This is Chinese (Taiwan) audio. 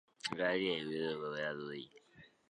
國家電影及視聽文化中心